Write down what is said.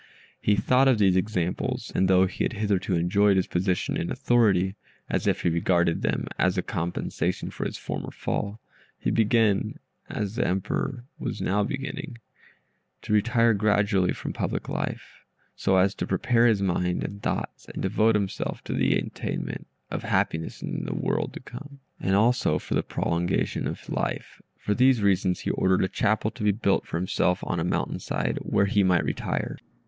He thought of these examples, and though he had hitherto enjoyed his position and authority, as if he regarded them as a compensation for his former fall, he began, as the Emperor was now becoming older, to retire gradually from public life, so as to prepare his mind and thoughts, and devote himself to the attainment of happiness in the world to come, and also for the prolongation of life. For these reasons he ordered a chapel to be built for himself on a mountain side, where he might retire.